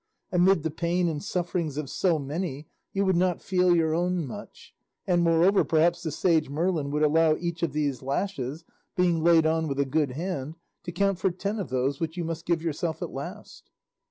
Amid the pain and sufferings of so many you would not feel your own much; and moreover perhaps the sage Merlin would allow each of these lashes, being laid on with a good hand, to count for ten of those which you must give yourself at last."